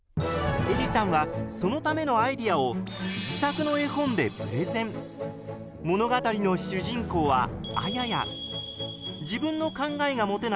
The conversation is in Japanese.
えりさんはそのためのアイデアを自作の物語の主人公はあやや。